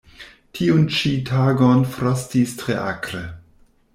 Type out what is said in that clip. Tiun ĉi tagon frostis tre akre.